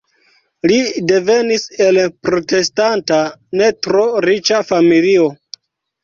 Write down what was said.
Li devenis el protestanta ne tro riĉa familio.